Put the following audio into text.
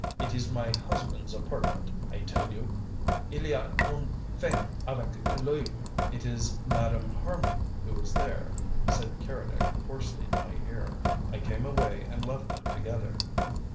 "It is my husband's apartment, I tell you. Il y a une femme avec lui!" "It is Madame Harman who is there," said Keredec hoarsely in my ear. "I came away and left them together."